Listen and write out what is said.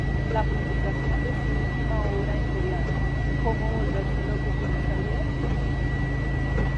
La publicación de su última obra en coreano "¿Cómo volverse loco con esta vida?